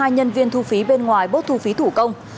hai nhân viên thu phí bên ngoài bớt thu phí thủ công